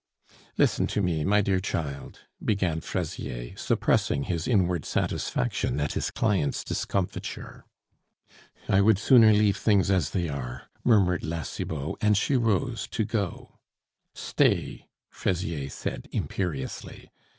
"Listen to me, my dear child," began Fraisier, suppressing his inward satisfaction at his client's discomfiture. "I would sooner leave things as they are " murmured La Cibot, and she rose to go. "Stay," Fraisier said imperiously.